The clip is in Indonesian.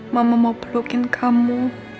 mama mau pelukin kamu